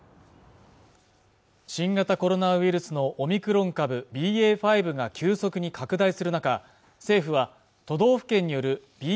新型コロナウイルスのオミクロン株ＢＡ．５が急速に拡大する中政府は都道府県によるＢＡ．